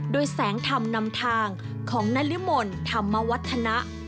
โดยแสงธรรมนำทางของนรมนธรรมวัฒนะ